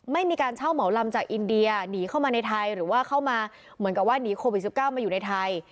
ไม่มีการเช่าเหมาลำจากอินเดียหนีเข้ามาในไทยหรือว่าเข้ามาเหมือนกับว่าหนีโควิด๑๙มาอยู่ในไทย